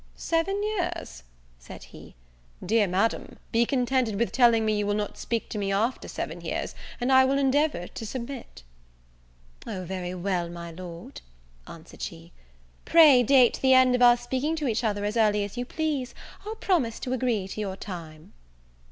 "Seven years!" said he, "dear Madam, be contented with telling me you will not speak to me after seven years, and I will endeavour to submit." "O, very well, my Lord," answered she, "pray date the end of our speaking to each other as early as you please, I'll promise to agree to your time."